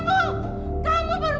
kamu perempuan pembawa siang